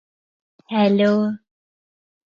Ince is a patron of Dignity in Dying.